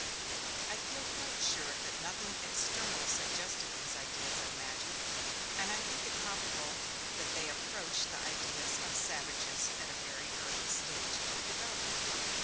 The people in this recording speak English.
I feel quite sure that nothing external suggested these ideas of magic, and I think it probable that they approached the ideas of savages at a very early stage of development.